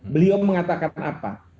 beliau mengatakan apa